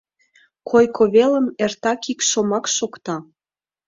Койко велым эртак ик шомак шокта: